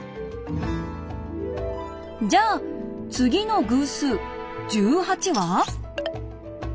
じゃあ次の偶数１８は？